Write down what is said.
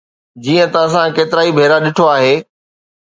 جيئن ته اسان ڪيترائي ڀيرا ڏٺو آهي.